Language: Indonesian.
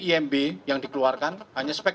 imb yang dikeluarkan hanya spek